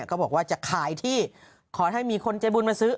ก็บอกว่าจะขายที่ขอให้มีคนใจบุญมาซื้อ